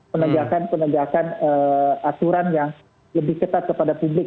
penegakan penegakan aturan yang lebih ketat kepada publik